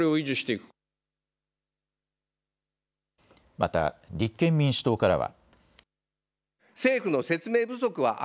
また立憲民主党からは。